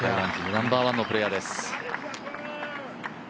ナンバーワンのプレーヤーです。